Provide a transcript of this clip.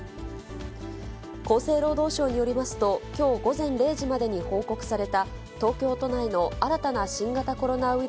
厚生労働省によりますと、きょう午前０時までに報告された東京都内の新たな新型コロナウイ